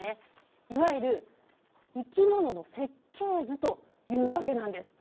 いわゆる生き物の設計図というわけなんです。